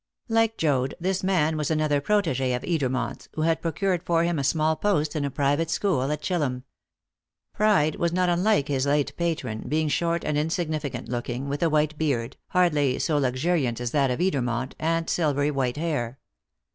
Like Joad, this man was another protégé of Edermont's, who had procured for him a small post in a private school at Chillum. Pride was not unlike his late patron, being short and insignificant looking, with a white beard, hardly so luxuriant as that of Edermont, and silvery white hair.